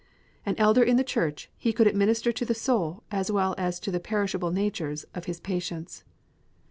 An elder in the Church, he could administer to the soul as well as to the perishable nature of his patients.